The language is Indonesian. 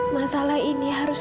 masalah ini harus